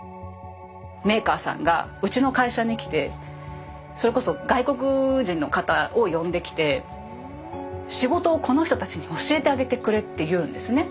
メーカーさんがうちの会社に来てそれこそ外国人の方を呼んできて仕事をこの人たちに教えてあげてくれって言うんですね。